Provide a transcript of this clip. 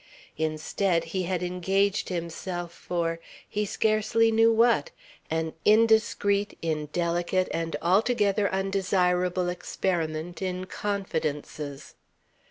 Instead he had engaged himself for he scarcely knew what an indiscreet, indelicate, and altogether undesirable experiment in confidences.